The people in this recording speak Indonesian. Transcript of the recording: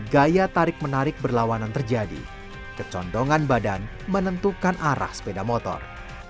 gaya tarik menarik berlawanan terjadi kecondongan badan menentukan arah sepeda motor